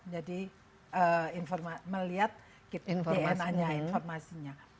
jadi melihat dna nya